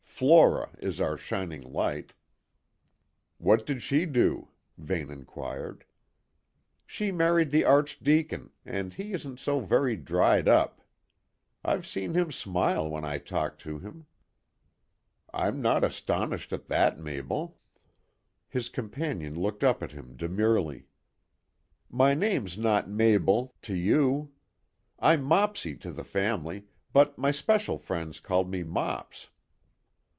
Flora is our shining light." "What did she do?" Vane inquired. "She married the Archdeacon, and he isn't so very dried up. I've seen him smile when I talked to him." "I'm not astonished at that, Mabel." His companion looked up at him demurely. "My name's not Mabel to you. I'm Mopsy to the family, but my special friends call me Mops.